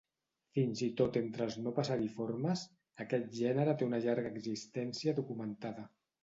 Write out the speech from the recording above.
Fins i tot entre els no passeriformes, aquest gènere té una llarga existència documentada.